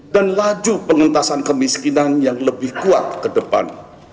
dan laju pengetasan kemiskinan yang lebih kuat ke depan